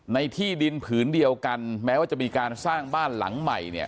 ในที่ดินผืนเดียวกันแม้ว่าจะมีการสร้างบ้านหลังใหม่เนี่ย